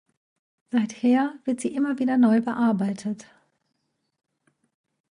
Seither wird sie immer wieder neu bearbeitet.